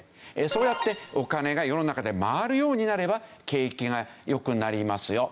そうやってお金が世の中で回るようになれば景気が良くなりますよ。